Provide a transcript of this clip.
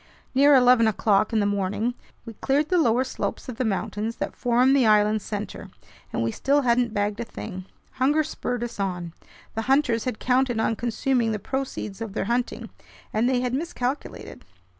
Near eleven o'clock in the morning, we cleared the lower slopes of the mountains that form the island's center, and we still hadn't bagged a thing. Hunger spurred us on. The hunters had counted on consuming the proceeds of their hunting, and they had miscalculated.